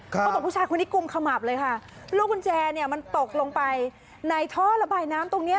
ผู้ชายคนนี้กุมขมับเลยค่ะลูกกุญแจเนี่ยมันตกลงไปในท่อระบายน้ำตรงเนี้ย